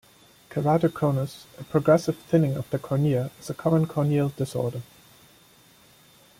Keratoconus, a progressive thinning of the cornea, is a common corneal disorder.